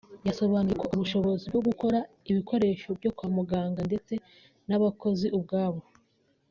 yasobanuye ko ubushobozi bwo gukora ibikoresho byo kwa muganga ndetse n’abakozi ubwabo